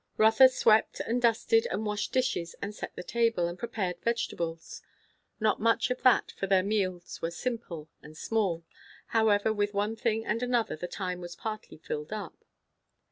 Rotha swept and dusted and washed dishes and set the table, and prepared vegetables. Not much of that, for their meals were simple and small; however, with one thing and another the time was partly filled up.